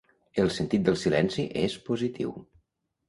El sentit del silenci és positiu.